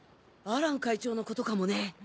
アラン会長のことかもね。